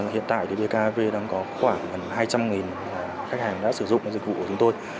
hiện tại bkav đang có khoảng hai trăm linh khách hàng đã sử dụng dịch vụ của chúng tôi